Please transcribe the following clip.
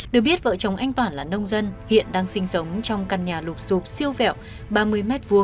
được biết vợ chồng anh toản là nông dân hiện đang sinh sống trong căn nhà lụp sụp siêu vẹo ba mươi m hai